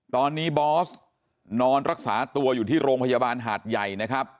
ตอนนี้บอสนอนรักษาตัวอยู่ที่โรงพยาบาลหาดใหญ่นะครับ